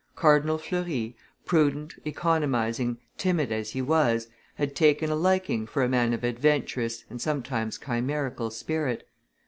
Cardinal Fleury, prudent, economizing, timid as he was, had taken a liking for a man of adventurous, and sometimes chimerical spirit.